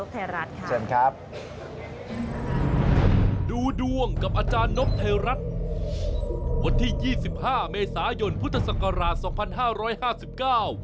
ติดตามพร้อมกันกับอาจารย์นกเทรัติค่ะชินครับค่ะ